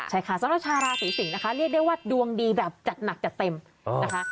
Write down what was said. ใช่ค่ะสำหรับชาวราศีสิงศ์นะคะเรียกได้ว่าดวงดีแบบจัดหนักจัดเต็มนะคะ